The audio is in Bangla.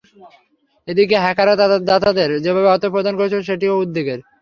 এদিকে হ্যাকাররা দাতাদের যেভাবে অর্থ প্রদান করেছিল, সেটিও উদ্বেগের।